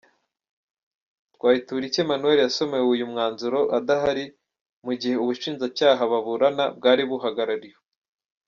Twayituriki Emmanuel yasomewe uyu mwanzuro adahari, mu gihe Ubushinjacyaha baburana bwari buhagarariwe.